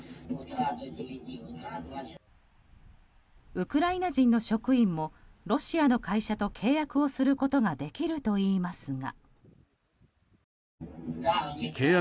ウクライナ人の職員もロシアの会社と契約をすることができるといいますが。